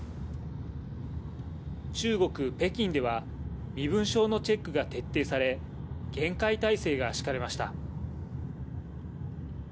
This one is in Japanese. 中国・北京では、身分証のチェックが徹底され、厳戒態勢が敷かれました。